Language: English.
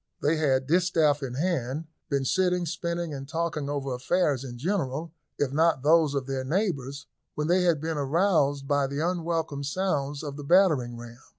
They had, distaff in hand, been sitting, spinning, and talking over affairs in general, if not those of their neighbours, when they had been aroused by the unwelcome sounds of the battering ram.